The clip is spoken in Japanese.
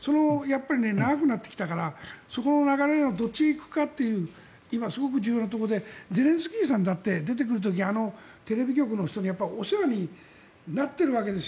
長くなってきたからそこの流れがどっちに行くかという今、すごく重要なところでゼレンスキーさんだって出てくる時テレビ局の人にお世話になっているわけですよ。